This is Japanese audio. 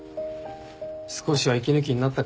少しは息抜きになったか？